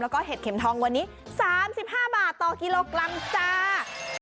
แล้วก็เห็ดเข็มทองวันนี้๓๕บาทต่อกิโลกรัมจ้า